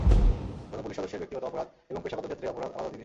কোনো পুলিশ সদস্যের ব্যক্তিগত অপরাধ এবং পেশাগত ক্ষেত্রে অপরাধ আলাদা জিনিস।